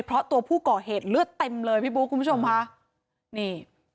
เพราะตัวผู้ก่อเหตุเลือดเต็มเลยพี่บุ๊คคุณผู้ชมค่ะนี่